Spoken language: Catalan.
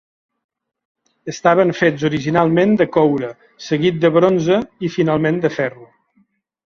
Estaven fets originalment de coure, seguit de bronze i, finalment, de ferro.